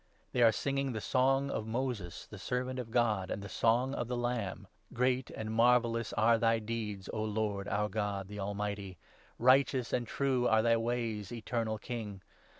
They are singing the song of Moses, the 3 Servant of God, and the song of the Lamb —' Great and marvellous are thy deeds, O Lord, our God, the Almighty. Righteous and true are thy ways, Eternal King.